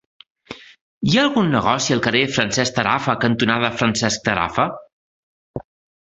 Hi ha algun negoci al carrer Francesc Tarafa cantonada Francesc Tarafa?